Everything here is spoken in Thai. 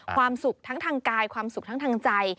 ความสุขทั้งทางกายความสุขทั้งทางใจ